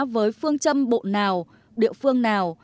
với phương châm bộ nào địa phương nào